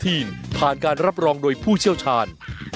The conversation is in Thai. ทีมผ่านการรับรองโดยผู้เชี่ยวชาญ